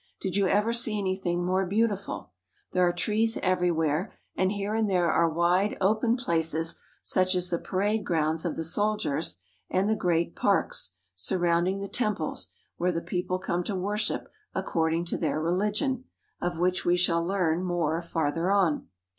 Did you ever see anything more beautiful ! There are trees everywhere, and here and there are wide, open places such 38 JAPAN as the parade grounds of the soldiers and the great parks surrounding the temples where the people come to worship according to their religion, of which we shall learn more farther on.